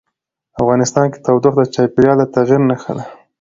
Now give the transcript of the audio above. افغانستان کې تودوخه د چاپېریال د تغیر نښه ده.